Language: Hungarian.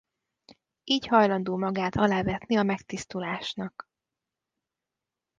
Így hajlandó magát alávetni a megtisztulásnak.